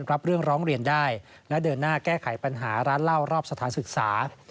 รับเรื่องร้องเรียนได้และเดินหน้าแก้ไขปัญหาร้านเหล้ารอบสถานศึกษา